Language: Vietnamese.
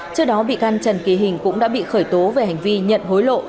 trước đó bị can trần kỳ hình cũng đã bị khởi tố về hành vi nhận hối lộ